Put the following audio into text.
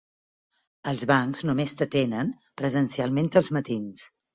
Els bancs només t'atenen presencialment als matins.